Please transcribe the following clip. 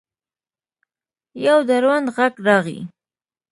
یو دروند غږ راغی!